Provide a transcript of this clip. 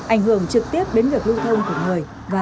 ảnh hưởng trực tiếp đến việc lưu thông của người và